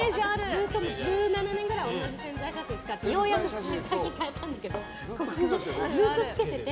ずっと１７年くらい同じ宣伝写真使っててようやく変えたんだけどずっとつけてて。